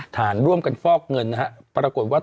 ฐานร่วมกันฟอกเงินนะฮะปรากฏว่า